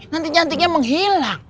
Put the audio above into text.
nanti nyantiknya menghilang